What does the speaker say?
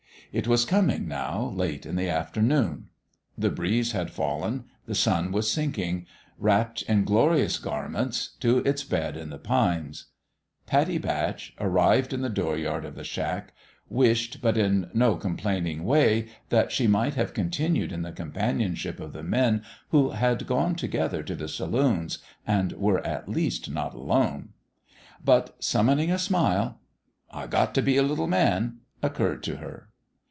It was coming, now, late in the afternoon. The breeze had fallen ; the sun was sinking, wrapped in glorious garments, to its bed in the pines. Pattie Batch, arrived in the dooryard of the shack, wished, but in no complaining way, 56 SOWN IN DISHONOUR that she might have continued in the companion ship of the men who had gone together to the saloons, and were at least not alone. But, summoning a smile " I got t' be a little man," occurred to her.